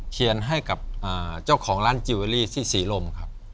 เขียนให้กับเจ้าของร้านจิลเวรี่สิรมครับ